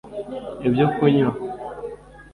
ibyo kunywa